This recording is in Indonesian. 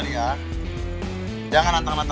di bandung lepasan trenu halus